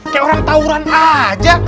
kayak orang tauran aja